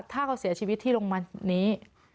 ถ้าเขาเสียชีวิตที่โรงพยาบาลนี้